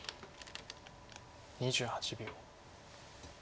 ２８秒。